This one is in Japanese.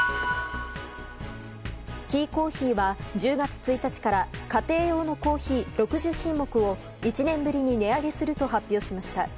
キーコーヒーは１０月１日から家庭用のコーヒー６０品目を１年ぶりに値上げすると発表しました。